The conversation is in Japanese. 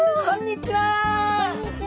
こんにちは！